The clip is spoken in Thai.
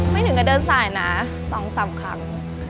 ถึงก็เดินสายนะ๒๓ครั้ง